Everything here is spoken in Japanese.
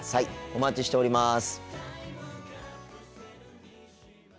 お待ちしております。